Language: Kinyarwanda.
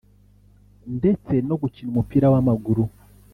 ndetse no gukina umupira w’amaguru